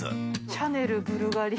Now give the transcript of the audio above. シャネルブルガリ。